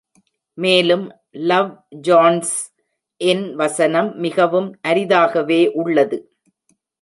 மேலும் "Love Jones" இன் வசனம் மிகவும் அரிதாகவே உள்ளது.